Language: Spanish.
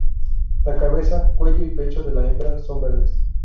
La cabeza, cuello y pecho de la hembra son verdes.